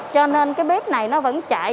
cho nên cái bếp này nó vẫn chạy